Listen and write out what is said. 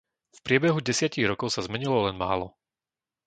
V priebehu desiatich rokov sa zmenilo len málo.